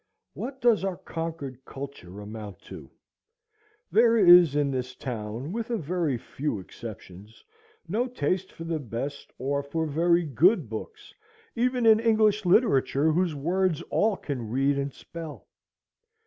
What does our Concord culture amount to? There is in this town, with a very few exceptions, no taste for the best or for very good books even in English literature, whose words all can read and spell.